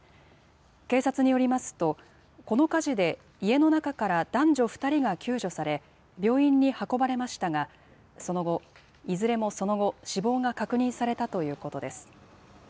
警察によりますと、この火事で、家の中から男女２人が救助され、病院に運ばれましたが、いずれもその後、死亡が確認されたということです。